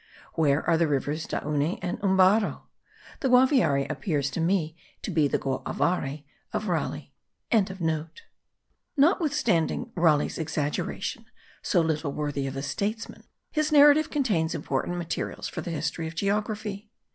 Where are the rivers Dauney and Ubarro? The Guaviare appears to me to be the Goavar of Raleigh.) Notwithstanding Raleigh's exaggeration, so little worthy of a statesman, his narrative contains important materials for the history of geography.